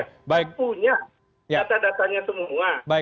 tidak punya kata datanya semua